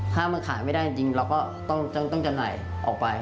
ถ้ามันขายไม่ได้จริงเราก็ต้องจำหน่ายออกไป